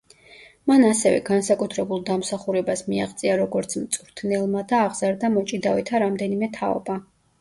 მან ასევე განსაკუთრებულ დამსახურებას მიაღწია როგორც მწვრთნელმა და აღზარდა მოჭიდავეთა რამდენიმე თაობა.